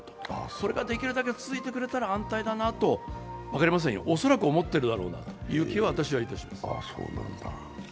これができるだけ続いてくれたら安泰だろうなと、分かりませんが、恐らく思ってるだろうなという気は私はいたします。